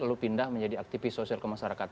lalu pindah menjadi aktivis sosial kemasyarakatan